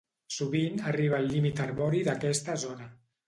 Sovint arriba al límit arbori d'aquesta zona.